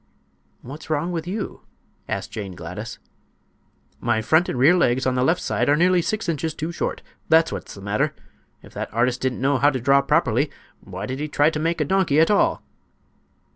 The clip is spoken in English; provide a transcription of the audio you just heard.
"What's wrong with you?" asked Jane Gladys. "My front and rear legs on the left side are nearly six inches too short, that's what's the matter! If that artist didn't know how to draw properly why did he try to make a donkey at all?"